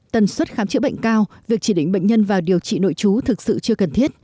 tần suất khám chữa bệnh cao việc chỉ định bệnh nhân vào điều trị nội chú thực sự chưa cần thiết